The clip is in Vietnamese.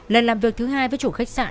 lần làm việc thứ hai với chủ khách sạn